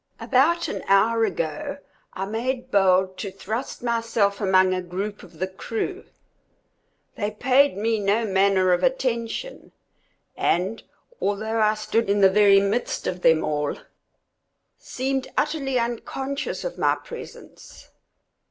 About an hour ago, I made bold to thrust myself among a group of the crew. They paid me no manner of attention, and, although I stood in the very midst of them all, seemed utterly unconscious of my presence.